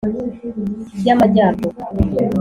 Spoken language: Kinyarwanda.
y Amajyaruguru